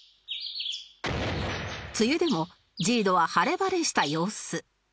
梅雨でも ＪＩＤＯ は晴れ晴れした様子